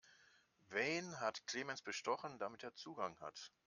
Wen hat Clemens bestochen, damit er Zugang hat?